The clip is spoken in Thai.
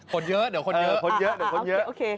คนเยอะเดี๋ยวคนเยอะ